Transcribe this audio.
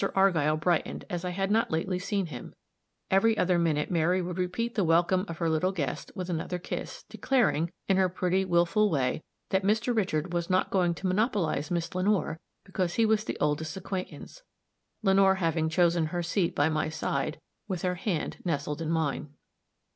Argyll brightened as I had not lately seen him; every other minute Mary would repeat the welcome of her little guest with another kiss, declaring, in her pretty, willful way, that Mr. Richard was not going to monopolize Miss Lenore because he was the oldest acquaintance Lenore having chosen her seat by my side, with her hand nestled in mine.